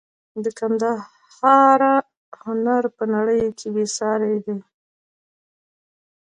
د ګندهارا هنر په نړۍ کې بې ساري دی